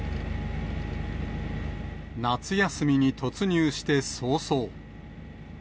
夏休みに突入して早々。